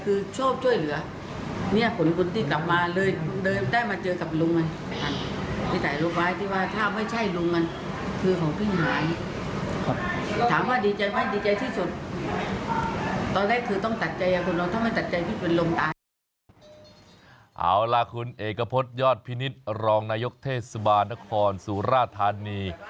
เอาล่ะคุณเอกพฤษยอดพินิษฐ์รองนายกเทศบาลนครสุราธานี